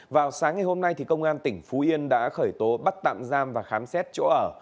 vào sáng ngày hôm nay công an tỉnh phú yên đã khởi tố bắt tạm giam và khám xét chỗ ở